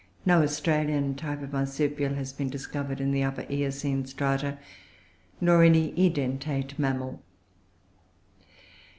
No Australian type of Marsupial has been discovered in the Upper Eocene strata, nor any Edentate mammal.